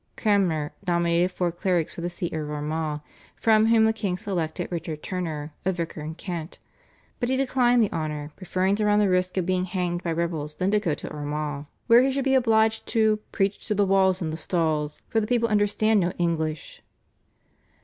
Cranmer nominated four clerics for the See of Armagh, from whom the king selected Richard Turner, a vicar in Kent. But he declined the honour, preferring to run the risk of being hanged by rebels than to go to Armagh, where he should be obliged to "preach to the walls and the stalls, for the people understand no English."